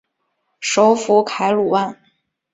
首府凯鲁万。